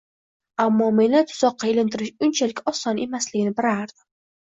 Ammo, meni tuzoqqa ilintirish unchalik oson emasligini bilardim